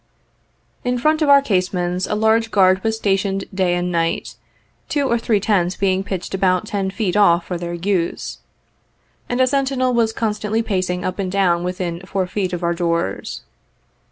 13 In front of our casemates a large guard was stationed day and night, two or three tents being pitched about ten feet off for their use ; and a sentinel was constantly pacing up and down within four feet of our doors.